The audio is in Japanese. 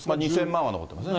２０００万は残ってますね。